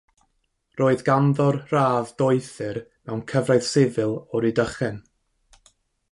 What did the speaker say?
Roedd ganddo'r radd Doethur mewn Cyfraith Sifil o Rydychen.